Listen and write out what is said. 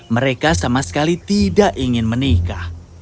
mereka sama sekali tidak ingin menikah